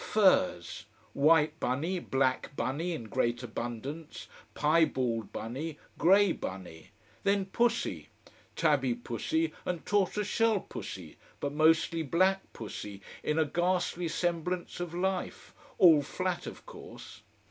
Furs! white bunny, black bunny in great abundance, piebald bunny, grey bunny: then pussy, tabby pussy, and tortoiseshell pussy, but mostly black pussy, in a ghastly semblance of life, all flat, of course.